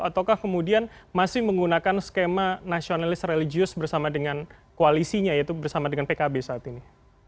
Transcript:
ataukah kemudian masih menggunakan skema nasionalis religius bersama dengan koalisinya yaitu bersama dengan pkb saat ini